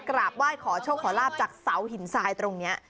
กราบไหว้ขอโชคขอลาบจากเสาหินทรายตรงนี้